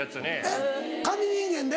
えっカニ人間で？